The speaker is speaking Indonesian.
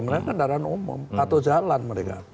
mereka kendaraan umum atau jalan mereka